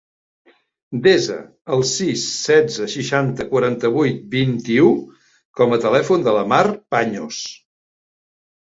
Desa el sis, setze, seixanta, quaranta-vuit, vint-i-u com a telèfon de la Mar Paños.